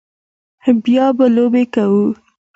بیا به لوبې کوو